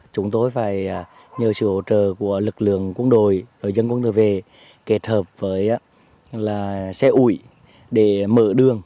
chúng tôi phải nhờ sự hỗ trợ của lực lượng quân đội ở dân quân tờ về kết hợp với xe ủi để mở đường